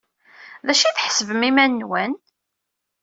D acu ay tḥesbem iman-nwen?